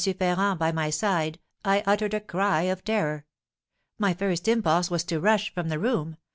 Ferrand by my side I uttered a cry of terror. My first impulse was to rush from the room, but M.